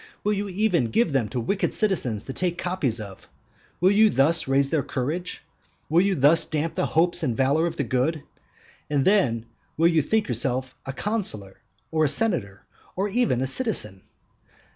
Will you even give them to wicked citizens to take copies of? Will you thus raise their courage? Will you thus damp the hopes and valour of the good? And then will you think yourself a consular, or a senator, or even a citizen?